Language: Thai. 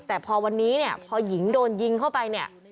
แต่พอวันนี้เนี่ยพอหญิงโดนยิงเข้าไปเนี่ย